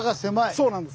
そうなんです。